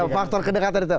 faktor kedekatan itu